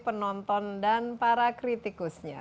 penonton dan para kritikusnya